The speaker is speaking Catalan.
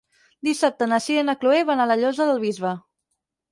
Dissabte na Sira i na Chloé van a la Llosa del Bisbe.